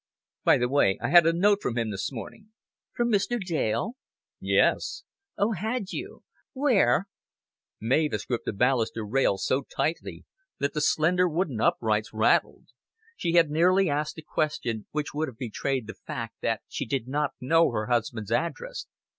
"By the way, I had a note from him this morning." "From Mr. Dale?" "Yes." "Oh, had you? Where " Mavis gripped the baluster rail so tightly that the slender wooden uprights rattled. She had nearly asked a question which would have betrayed the fact that she did not know her husband's address.